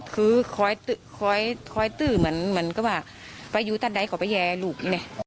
คือคอยตื่อมันก็ว่าประยุตันใดของประเยลูก